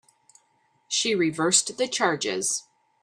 She reversed the charges.